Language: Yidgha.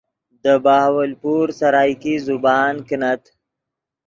دے بہاولپور سرائیکی زبان کینت